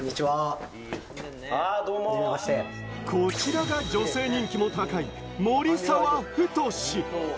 こちらが女性人気も高い守澤太志。